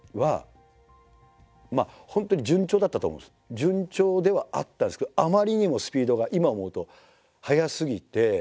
順調ではあったんですけどあまりにもスピードが今思うと速すぎて。